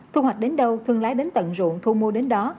thu hoạch đến đâu thương lái đến tận ruộng thu mua đến đó